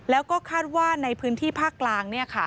แล้วก็คาดว่าในพื้นที่ภาคกลาง